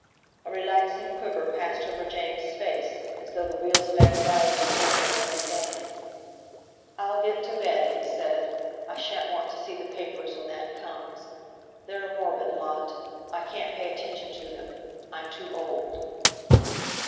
A relaxing quiver passed over James' face, as though the wheels of anxiety within were running down. "I'll get to bed," he said; "I shan't want to see the papers when that comes. They're a morbid lot; I can't pay attention to them, I'm too old."